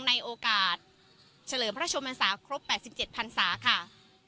ในโอกาสเฉลิมพระชมพันศาครบ๘๗พันศาค่ะ